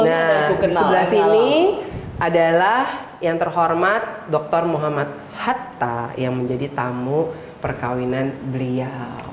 yang aku kenal sini adalah yang terhormat dokter muhammad hatta yang menjadi tamu perkawinan beliau